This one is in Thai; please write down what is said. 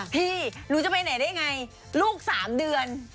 พี่รู้จะไปไหนได้อย่างไรลูก๓เดือน